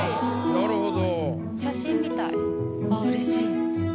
なるほど。